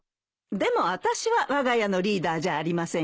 でもあたしはわが家のリーダーじゃありませんよ。